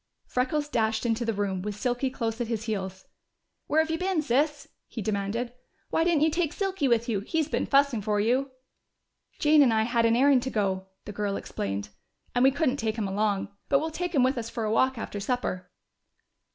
Freckles dashed into the room, with Silky close at his heels. "Where have you been, Sis?" he demanded. "Why didn't you take Silky with you? He's been fussing for you." "Jane and I had an errand to go," the girl explained. "And we couldn't take him along. But we'll take him with us for a walk after supper."